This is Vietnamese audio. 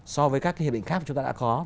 so với các hiệp định khác chúng ta đã có